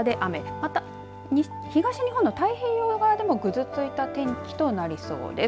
また、東日本の太平洋側でもぐずついた天気となりそうです。